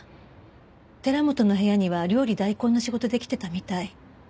寺本の部屋には料理代行の仕事で来てたみたい。